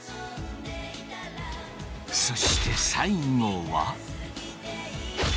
そして最後は。